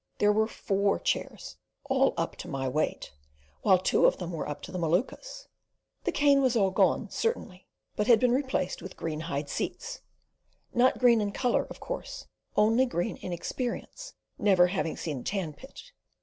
There were FOUR chairs, all "up" to my weight, while two of them were up to the Maluka's. The cane was all gone, certainly, but had been replaced with green hide seats (not green in colour, of course, only green in experience, never having seen a tan pit).